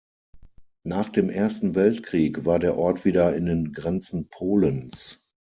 Nach dem Ersten Weltkrieg war der Ort wieder in den Grenzen Polens.